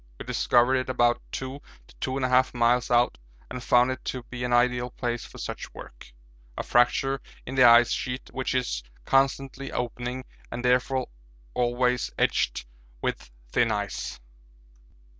We discovered it about 2 to 2 1/2 miles out and found it to be an ideal place for such work, a fracture in the ice sheet which is constantly opening and therefore always edged with thin ice.